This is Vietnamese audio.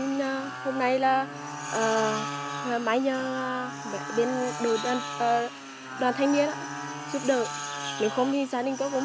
nhưng nếu thuê máy gạt đập liên hợp thì nhà neo người khó mà kịp tránh khỏi mưa lũ